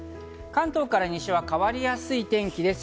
関東から西は変わりやすい天気です。